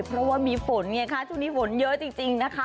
เพราะว่ามีฝนไงคะช่วงนี้ฝนเยอะจริงนะคะ